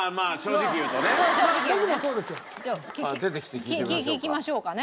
聞きましょうかね。